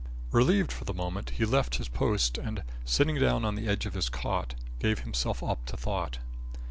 Relieved for the moment, he left his post and, sitting down on the edge of his cot, gave himself up to thought.